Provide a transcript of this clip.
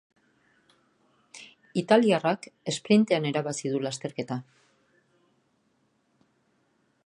Italiarrak esprintean irabazi du lasterketa.